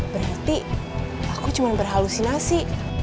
berarti aku cuma berhalusinasi